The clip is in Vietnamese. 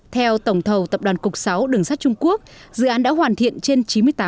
theo tổng thầu tập đoàn cục sáu đường sắt trung quốc dự án đã hoàn thiện trên chín mươi tám